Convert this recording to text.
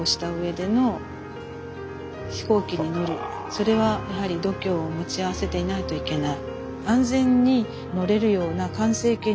それはやはり度胸を持ち合わせていないといけない。